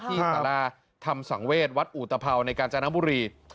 ที่สาราทำสังเวชวัดอุตพราวในกาญจนบุรี